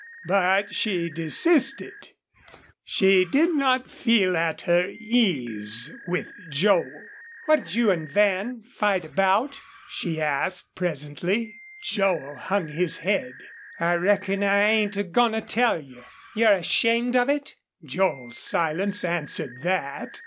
But she desisted. She did not feel at her ease with Joel. "What'd you and Van fight about?" she asked, presently. Joel hung his head. "I reckon I ain't a goin' to tell you." "You're ashamed of it?" Joel's silence answered that.